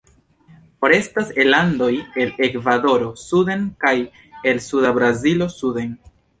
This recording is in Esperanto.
Forestas el Andoj el Ekvadoro suden kaj el suda Brazilo suden.